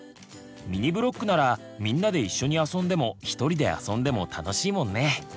ミニブロックならみんなで一緒に遊んでも一人で遊んでも楽しいもんね。